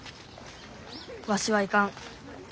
わしは行かん。